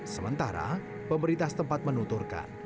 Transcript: sementara pemerintah tempat menunturkan